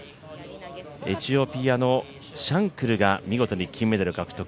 エチオピアのシャンクルが見事に金メダル獲得。